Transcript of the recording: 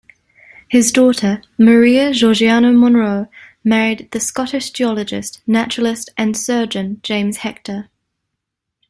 His daughter, Maria Georgiana Monro, married the Scottish geologist, naturalist, and surgeon James Hector.